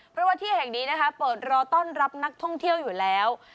เพราะว่าที่แห่งนี้นะคะเปิดรอต้อนรับนักท่องเที่ยวอยู่แล้ว